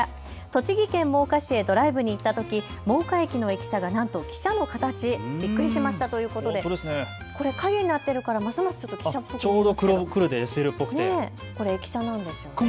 栃木県真岡市へドライブに行ったとき、真岡駅の駅舎がなんと汽車の形、びっくりしましたということで影になってるからますます汽車っぽく見えますね。